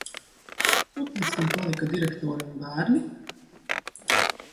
Kur pēc tam palika direktore un bērni?